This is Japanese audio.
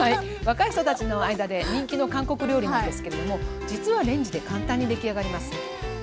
若い人たちの間で人気の韓国料理なんですけれども実はレンジで簡単に出来上がります。